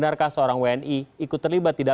agustin mansyah cnn indonesia